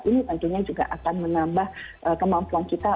ini tentunya juga akan menambah kemampuan kita